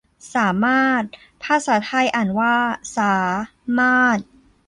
สามารถ ภาษาไทยอ่านว่าสา มาด